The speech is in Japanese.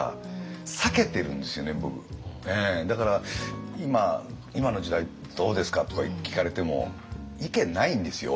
だから今「今の時代どうですか？」とか聞かれても意見ないんですよ